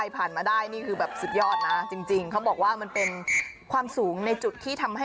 ไปด้วยกันกูคะ